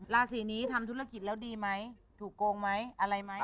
ราศีนี้ทำธุรกิจแล้วดีไหมถูกโกงไหมอะไรไหม